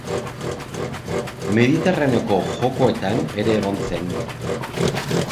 Mediterraneoko Jokoetan ere egon zen.